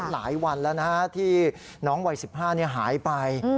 หลายวันแล้วนะฮะที่น้องวัย๑๕หายไป